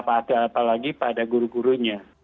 apalagi pada guru gurunya